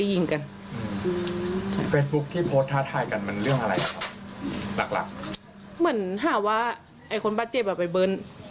เหมือนถ้าว่าไอ้คนบัดเจ็บออกไปเบิร์น